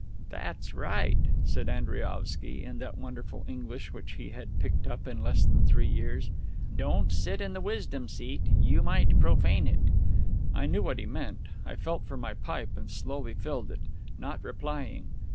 "That's right," said Andriaovsky, in that wonderful English which he had picked up in less than three years, "don't sit in the wisdom seat; you might profane it." I knew what he meant. I felt for my pipe and slowly filled it, not replying.